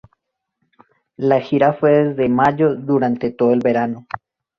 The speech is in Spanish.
La gira fue desde mayo durante todo el verano.